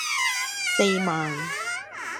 四萬